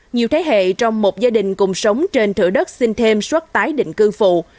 nhiều thế hệ trong một gia đình cùng sống trên thửa đất xin thêm suất tái định cư phụ